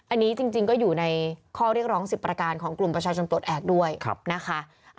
อันนี้จริงก็อยู่ในข้อเรียกร้อง๑๐ประการของกลุ่มประชาชนปลดแอบด้วยนะคะ